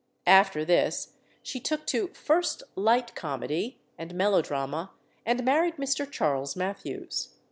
After this she took to "first light comedy" and melodrama, and married Mr. Charles Mathews.